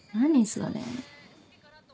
それ。